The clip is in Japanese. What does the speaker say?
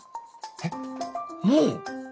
えっもう？